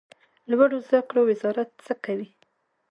لوړو زده کړو وزارت څه کوي؟